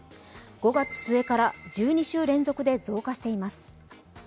５月末から１２週連続で増加しています。